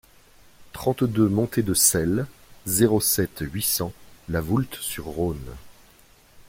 trente-deux montée de Celles, zéro sept, huit cents La Voulte-sur-Rhône